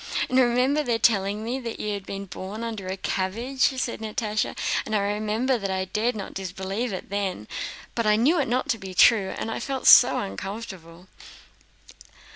"And I remember their telling me that you had been born under a cabbage," said Natásha, "and I remember that I dared not disbelieve it then, but knew that it was not true, and I felt so uncomfortable."